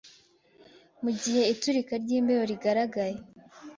Mugihe iturika ryimbeho rigaragaye